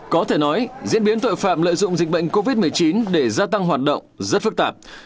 có thể nói diễn biến tội phạm lợi dụng dịch bệnh covid một mươi chín để gia tăng hoạt động rất phức tạp